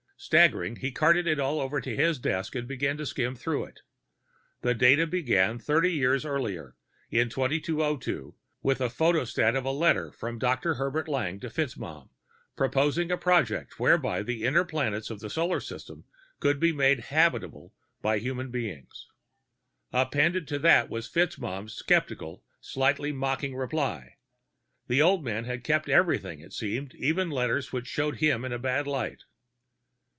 Staggering, he carted it all over to his desk and began to skim through it. The data began thirty years earlier, in 2202, with a photostat of a letter from Dr. Herbert Lang to FitzMaugham, proposing a project whereby the inner planets of the solar system could be made habitable by human beings. Appended to that was FitzMaugham's skeptical, slightly mocking reply; the old man had kept everything, it seemed, even letters which showed him in a bad light.